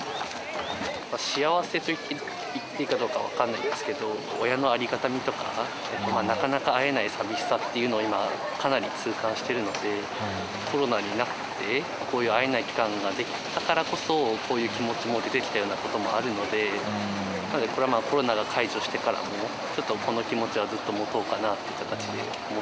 幸せと言っていいかどうか分からないんですけど、親のありがたみとか、なかなか会えないさみしさっていうのを今、かなり痛感しているので、コロナになって、こういう会えない期間が出来たからこそ、こういう気持ちも出てきたようなこともあるので、コロナが解除してからも、ちょっとこの気持ちはずっと持とうかな